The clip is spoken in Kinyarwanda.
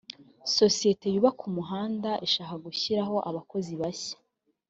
sosiyete yubaka umuhanda ishaka gushyiraho abakozi bashya